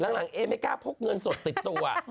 หลังเอไม่กล้าพกเงินสดติดตัว